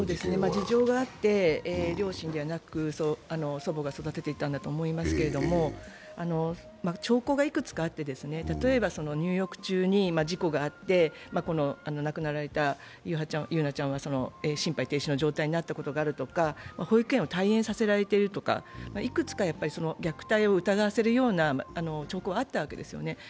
事情があって両親ではなく祖母が育てていたんだと思いますけれども、兆候がいくつかあって、例えば入浴中に事故があって亡くなられた優陽ちゃんが心肺停止の状態になったことがあるとか、保育園を退園させられているとか、幾つか虐待を疑わせるような兆候があったわけですよね。